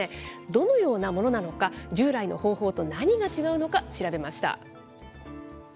どのようなものなのか、従来の方法と何が違うのか、調べました。